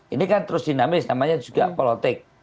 ini kan terus dinamis namanya juga politik